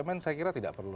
bumn saya kira tidak perlu